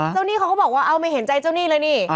หนี้เขาก็บอกว่าเอาไม่เห็นใจเจ้าหนี้เลยนี่